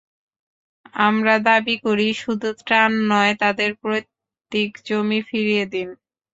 আমরা দাবি করি, শুধু ত্রাণ নয়, তাদের পৈতৃক জমি ফিরিয়ে দিন।